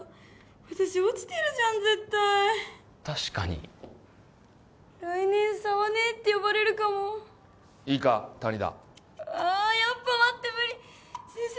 私落ちてるじゃん絶対確かに来年紗羽姉って呼ばれるかもいいか谷田あやっぱ待って無理先生